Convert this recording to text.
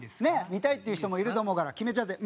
見たいっていう人もいると思うから決めちゃって。